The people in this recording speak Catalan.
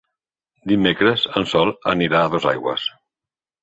Dimecres en Sol anirà a Dosaigües.